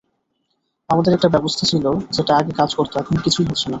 আমাদের একটা ব্যবস্থা ছিল যেটা আগে কাজ করত, এখন কিছুই হচ্ছে না।